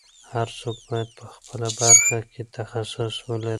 هر څوک باید په خپله برخه کې تخصص ولري.